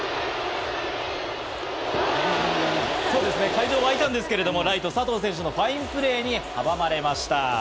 会場は沸いたんですけど、ライト・佐藤選手のファインプレーに阻まれました。